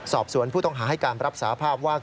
สอบสวนผู้ต้องหาให้การรับสาภาพว่า